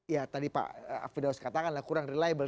ya tadi pak firaus katakan lah kurang reliable